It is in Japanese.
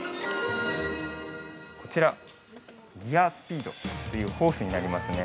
◆こちら、ギアスピードというホースになりますね。